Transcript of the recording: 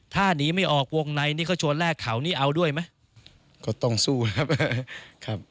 ถ้าหนีไม่ออกวงในนี่เขาชวนแรกเขานี่เอาด้วยไหมก็ต้องสู้ครับ